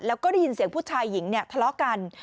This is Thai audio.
แล้วก็ได้ยินเสียงผู้ชายหญิงเนี่ยทะเลาะกัน